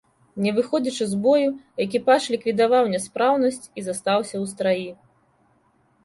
Не выходзячы з бою, экіпаж ліквідаваў няспраўнасць і застаўся ў страі.